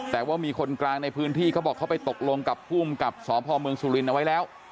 แต่ว่ามีคนกลางในพื้นที่เขาบอกเขาไปตกลงกับภูมิกับสพเมืองสุรินทร์เอาไว้แล้ว